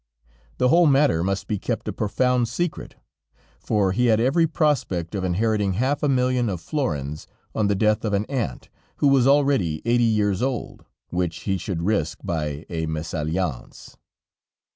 The whole matter must be kept a profound secret, for he had every prospect of inheriting half a million of florins, on the death of an aunt, who was already eighty years old, which he should risk by a mesalliance.